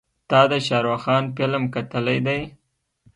تا د شارخ خان فلم کتلی دی.